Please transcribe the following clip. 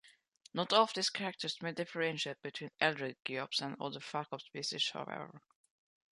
Not all of these characters may differentiate between "Eldredgeops" and other "Phacops" species however.